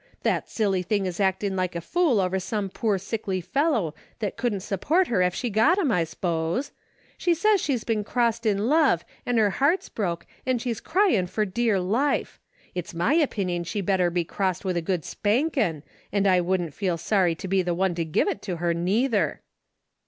That silly thing is actin' like a fool over some poor sickly fellow, that couldn't support her ef she got him, I s'pose. She says she's been crossed in love an' her heart's broke, an' she's cry in' fer dear life. It's my opinion she better be crossed with a good spankin', an' I wouldn't feel sorry to be the one to give it to her neither."